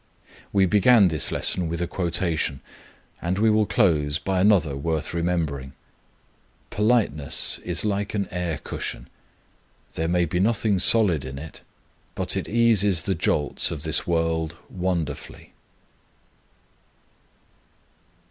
We began this lesson with a quotation, and we will close by another worth remembering: "Politeness is like an air cushion; there may be nothing solid in it, but it eases the jolts of this world wonderfully."